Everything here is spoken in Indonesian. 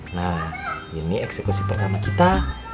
nah ini eksekusi pertama kita